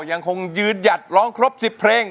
ยังคงยืนหยัดร้องครบ๑๐เพลง